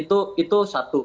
iya itu satu